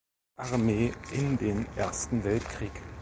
Armee in den Ersten Weltkrieg.